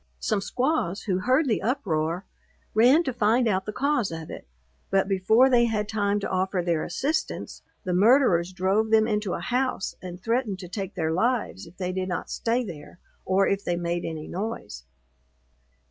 Some squaws, who heard the uproar, ran to find out the cause of it; but before they had time to offer their assistance, the murderers drove them into a house, and threatened to take their lives if they did not stay there, or if they made any noise.